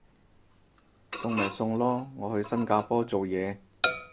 送咪送咯，我去新加坡做嘢